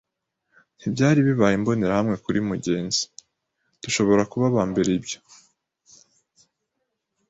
ntibyari bibaye imbonerahamwe kuri mugenzi, dushobora kuba abambere ibyo